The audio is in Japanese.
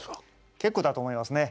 結構だと思いますね。